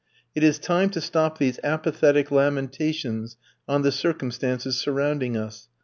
It is time to stop these apathetic lamentations on the circumstances surrounding us.